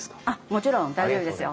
もちろん大丈夫ですよ。